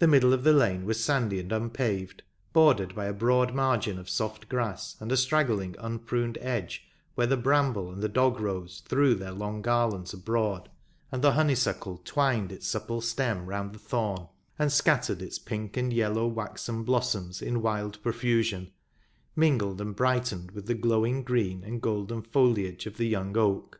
The middle of the lane was sandy and un paved, bordered by a broad margin of soft grass and a straggling unpruned edge, where the bramble and the dog rose threw their long garlands abroad, and the honeysuckle twined ^ B 2 Lancashire Memories. Its supple stem round the thorn, and scattered its pink and yellow waxen blossoms in wild profusion, mingled and brightened with the glowing green and golden foliage of the young oak.